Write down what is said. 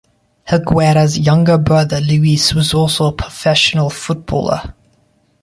Helguera's younger brother, Luis, was also a professional footballer.